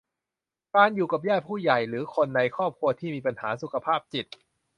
การอยู่กับญาติผู้ใหญ่หรือคนในครอบครัวที่มีปัญหาสุขภาพจิต